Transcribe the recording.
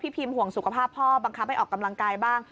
พิมห่วงสุขภาพพ่อบังคับให้ออกกำลังกายบ้าง